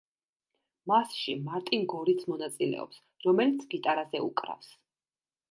მასში მარტინ გორიც მონაწილეობს, რომელიც გიტარაზე უკრავს.